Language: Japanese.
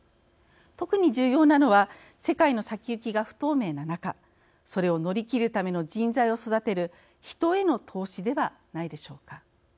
特に重要なのは世界の先行きが不透明な中それを乗り切るための人材を育てる人への投資ではないでしょうか。